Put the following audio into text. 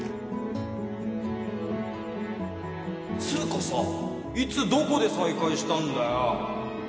つうかさいつどこで再会したんだよ？